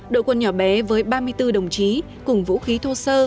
đội quân nhỏ bé với ba mươi bốn đồng chí cùng vũ khí thô sơ